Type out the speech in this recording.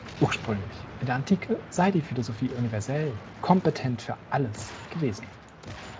Ursprünglich, in der Antike, sei die Philosophie universell, „kompetent für alles“, gewesen.